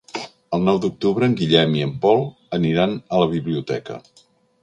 El nou d'octubre en Guillem i en Pol aniran a la biblioteca.